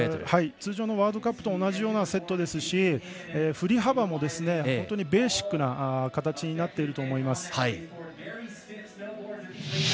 通常のワールドカップと同じようなセットですし振り幅も本当にベーシックな形になっていると思います。